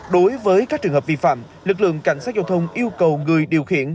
đối với các trường hợp vi phạm lực lượng cảnh sát giao thông yêu cầu người điều khiển